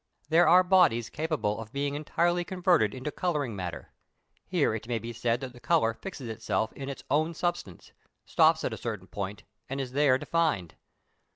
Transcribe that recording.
There are bodies capable of being entirely converted into colouring matter: here it may be said that the colour fixes itself in its own substance, stops at a certain point, and is there defined.